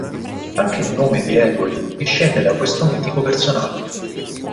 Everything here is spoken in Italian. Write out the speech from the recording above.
Anche il nome di Eboli discende da questo mitico personaggio.